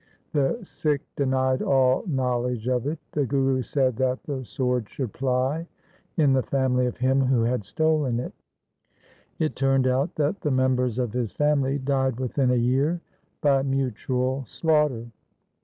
The Sikh denied all knowledge of it. The Guru said that the sword should ply in the family of him who had stolen it. It turned out that the members of his family died within a year by mutual slaughter.